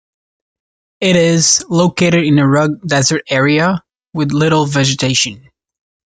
It is located in a rugged desert area, with little vegetation.